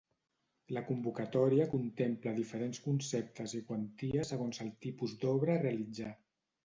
La convocatòria contempla diferents conceptes i quanties segons el tipus d’obra a realitzar.